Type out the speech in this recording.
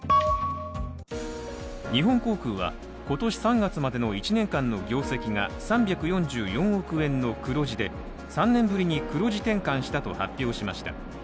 日本航空は今年３月までの１年間の業績が３４４億円の黒字で、３年ぶりに黒字転換したと発表しました。